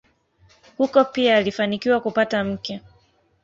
Huko pia alifanikiwa kupata mke.